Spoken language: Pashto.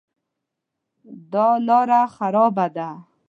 دا لاره خرابه ده